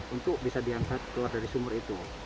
untuk bisa diangkat keluar dari sumur itu